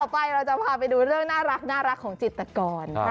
ไปเราจะพาไปดูเรื่องน่ารักของจิตกร